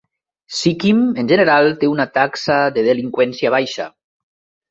Sikkim, en general, té una taxa de delinqüència baixa.